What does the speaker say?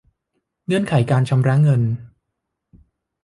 เงื่อนไขการชำระเงิน